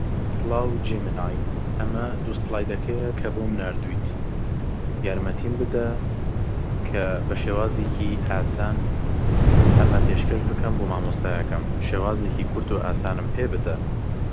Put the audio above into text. عادەتەن حەزم لە شتی شیرین نییە، بەڵام یەکێک لە کولیچەکانت تاقی دەکەمەوە.